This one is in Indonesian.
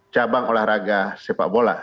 cabang olahraga sepak bola